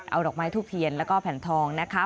เอาดอกไม้ทูบเทียนแล้วก็แผ่นทองนะคะ